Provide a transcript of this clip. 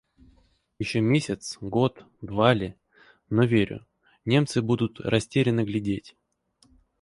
Еще месяц, год, два ли, но верю: немцы будут растерянно глядеть